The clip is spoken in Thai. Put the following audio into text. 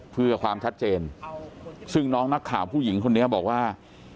เพื่อความชัดเจนซึ่งน้องนักข่าวผู้หญิงคนนี้บอกว่า